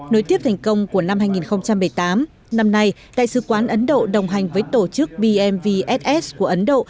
nối tiếp thành công của năm hai nghìn một mươi tám năm nay đại sứ quán ấn độ đồng hành với tổ chức bmvss của ấn độ